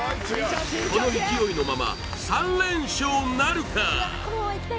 この勢いのまま３連勝なるか？